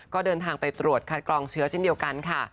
ก็เดินทางไปตรวจคัดกรองเชื้อเช่นเดียวกันค่ะ